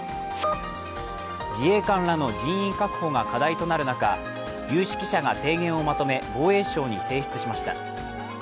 自衛官らの人員確保が課題となる中、有識者が提言をまとめ、防衛省に提出しました。